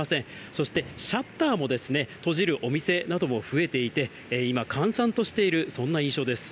そしてシャッターも閉じるお店なども増えていて、今、閑散としている、そんな印象です。